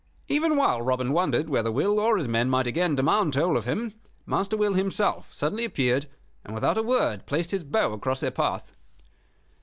Even while Robin wondered whether Will or his men might again demand toll of him, Master Will himself suddenly appeared, and without a word placed his bow across their path.